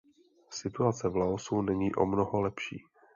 Situace v Laosu není o mnoho lepší.